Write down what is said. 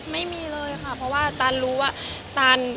ไม่มีเลยค่ะเพราะว่าตันรู้ว่าตัน